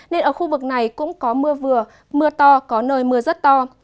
nên ở khu vực này cũng có mưa vừa mưa to có nơi mưa rất to